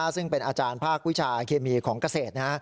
ซึ่งเป็นอาจารย์ภาควิชาเคมีของเกษตร